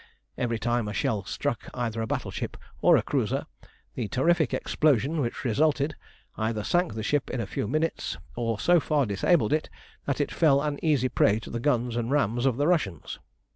Every time a shell struck either a battleship or a cruiser, the terrific explosion which resulted either sank the ship in a few minutes, or so far disabled it that it fell an easy prey to the guns and rams of the Russians.